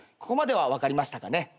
ここまでは分かりましたかね？